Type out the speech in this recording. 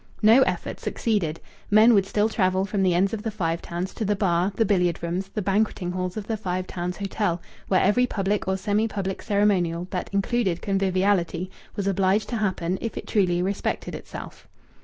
No effort succeeded. Men would still travel from the ends of the Five Towns to the bar, the billiard rooms, the banqueting halls of the Five Towns Hotel, where every public or semi public ceremonial that included conviviality was obliged to happen if it truly respected itself.